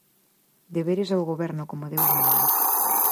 Deberes ao Goberno como Deus manda.